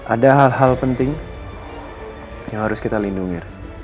ada hal hal penting yang harus kita lindungi